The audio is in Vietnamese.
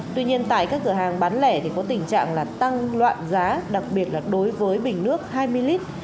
tuy nhiên tại các cửa hàng bán lẻ thì có tình trạng tăng loạn giá đặc biệt là đối với bình nước hai mươi lít